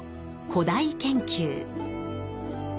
「古代研究」。